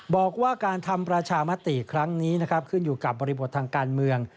บอกว่าการทำประชามติครั้งนี้นะครับขึ้นอยู่กับบริบททางการเมือง